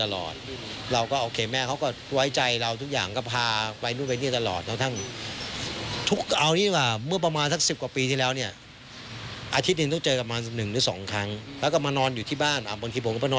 แล้วก็มานอนอยู่ที่บ้านบางทีผมก็มานอนอยู่ที่บ้านเขา